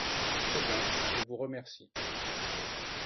Très bien, je vous remercie.